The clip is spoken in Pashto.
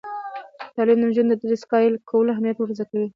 تعلیم نجونو ته د ریسایکل کولو اهمیت ور زده کوي.